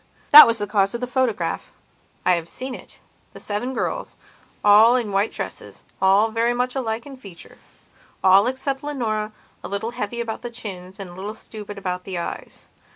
That was the cause of the photograph. I have seen it, the seven girls, all in white dresses, all very much alike in featureall, except Leonora, a little heavy about the chins and a little stupid about the eyes.